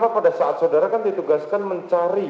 pada saat saudara kan ditugaskan mencari